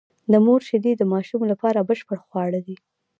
د مور شېدې د ماشوم لپاره بشپړ خواړه دي.